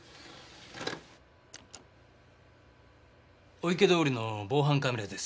御池通りの防犯カメラです。